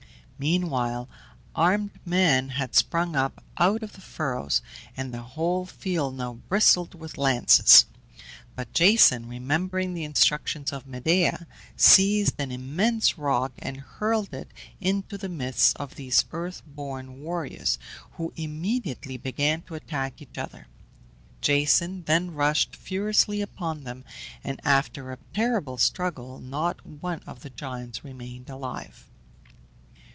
Meanwhile armed men had sprung up out of the furrows, and the whole field now bristled with lances; but Jason, remembering the instructions of Medea, seized an immense rock and hurled it into the midst of these earth born warriors, who immediately began to attack each other. Jason then rushed furiously upon them, and after a terrible struggle not one of the giants remained alive.